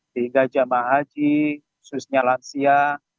sehingga jemaah haji khususnya lansia